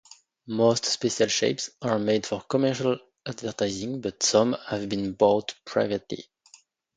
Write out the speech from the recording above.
Most special shapes are made for commercial advertising, but some have been bought privately.